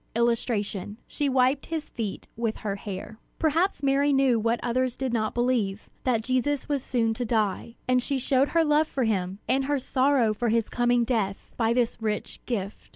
[Illustration: She wiped his feet with her hair] Perhaps Mary knew what others did not believe, that Jesus was soon to die; and she showed her love for him, and her sorrow for his coming death, by this rich gift.